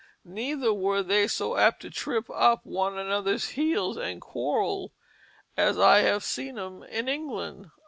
Neither were they so apt to trip up one another's heels and quarrel as I have seen 'em in England."